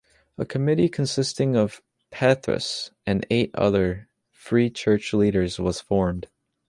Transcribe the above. A committee consisting of Pethrus and eight other Free Church leaders was formed.